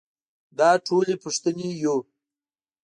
دا ټولې پوښتنې يو.